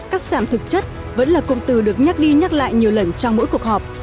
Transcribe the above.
cắt giảm thực chất vẫn là cụm từ được nhắc đi nhắc lại nhiều lần trong mỗi cuộc họp